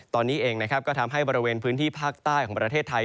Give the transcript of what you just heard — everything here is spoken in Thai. ตอนนี้เองนะครับก็ทำให้บริเวณพื้นที่ภาคใต้ของประเทศไทย